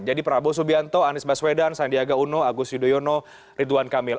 jadi prabowo subianto anies baswedan sadiaga uno agus yudhoyono ridwan kamil